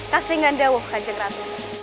tak sehingga anda wohkan cengkrat